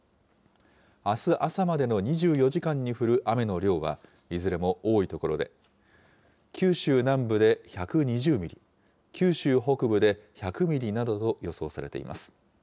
あす朝までの２４時間に降る雨の量は、いずれも多い所で、九州南部で１２０ミリ、九州北部で１００ミリなどと予想されています。